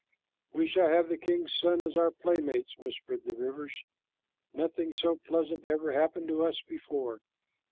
"We shall have the king's sons for our playmates!" whispered the rivers. "Nothing so pleasant ever happened to us before."